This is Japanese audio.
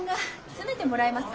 詰めてもらえます？